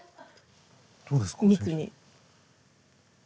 どうですか？